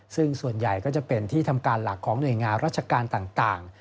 ซึ่งส่วนใหญ่ก็จะเป็นที่ทำการหลักของหน่วยงานราชการต่าง